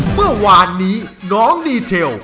เมื่อวานนี้น้องดีเทล